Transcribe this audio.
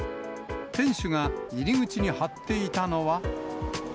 店主が入り口に貼っていたのは。